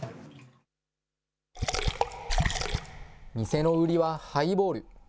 店の売りはハイボール。